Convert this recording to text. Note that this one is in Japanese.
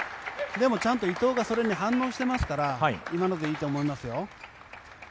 でもちゃんと伊藤がそれに反応していますから今のでいいと思いますよ。